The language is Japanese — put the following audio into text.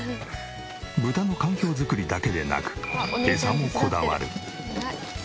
豚の環境づくりだけでなくエサもこだわる。